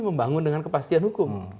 membangun dengan kepastian hukum